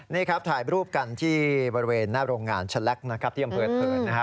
นี่ครับถ่ายรูปกันที่บริเวณหน้าโรงงานฉลักที่อำเภิร์ช